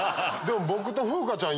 僕と風花ちゃん